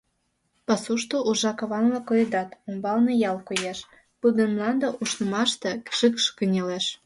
Пасушто уржа каван-влак коедат, умбалне ял коеш, пыл ден мланде ушнымаште шикш кынелеш.